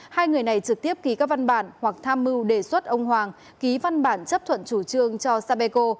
hai người này trực tiếp ký các văn bản hoặc tham mưu đề xuất ông hoàng ký văn bản chấp thuận chủ trương cho sapeco